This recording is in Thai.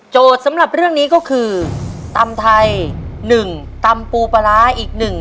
สำหรับเรื่องนี้ก็คือตำไทย๑ตำปูปลาร้าอีกหนึ่ง